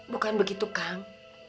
bukan begitu kang